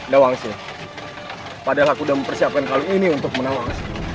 nawangsi padahal aku sudah mempersiapkan kalung ini untuk menawangsi